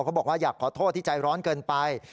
บอกว่าอยากขอโทษที่ใจร้อนเกินไป